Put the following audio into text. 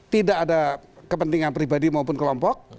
tidak ada kepentingan pribadi maupun kelompok